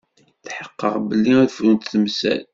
Tḥeqqeɣ belli ad frunt temsal.